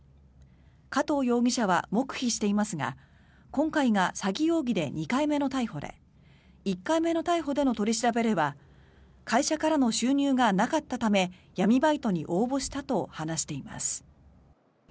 加藤容疑者は黙秘していますが今回が詐欺容疑で２回目の逮捕で１回目の逮捕での取り調べでは会社からの収入がなかったため闇バイトに応募したと話しています。